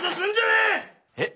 えっ？